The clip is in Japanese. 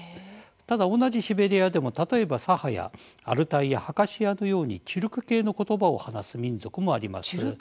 ただ同じシベリアでも例えば、サハやアルタイやハカシアのようにチュルク系の言葉を話す民族もあります。